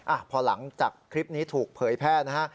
อ่ะพอหลังจากคลิปนี้ถูกเผยแพร่นะฮะ